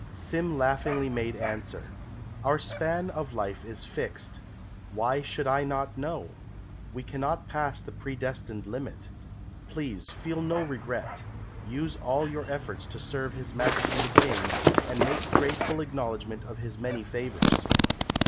Sim laughingly made answer, "Our span of life is fixed. Why should I not know? We cannot pass the predestined limit. Please feel no regret. Use all your efforts to serve His Majesty the King, and make grateful acknowledgment of his many favours."